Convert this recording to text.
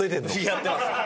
やってます